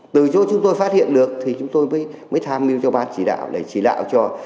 từ chỗ chúng tôi phát hiện được thì chúng tôi mới tham mưu cho bán chỉ đạo